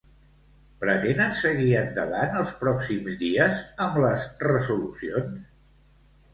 Pretenen seguir endavant els pròxims dies amb les resolucions?